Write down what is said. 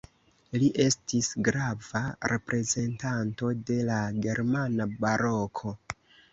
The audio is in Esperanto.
Li estis grava reprezentanto de la germana Baroko.